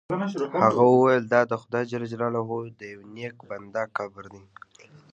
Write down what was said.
هغه وویل دا د خدای جل جلاله د یو نیک بنده قبر دی.